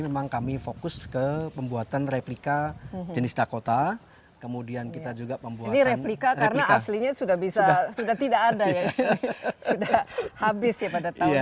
dan mengapa kamu pikir ini adalah ide yang baik